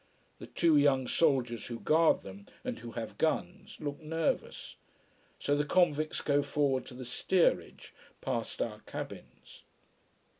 The two young soldiers who guard them, and who have guns, look nervous. So the convicts go forward to the steerage, past our cabins.